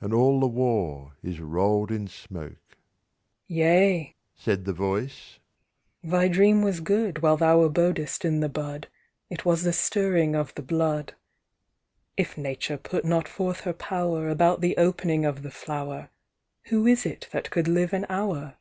And all the war is roll'd in smoke." "Yea!" said the voice, "thy dream was good, While thou abodest in the bud. It was the stirring of the blood. "If Nature put not forth her power About the opening of the flower, Who is it that could live an hour?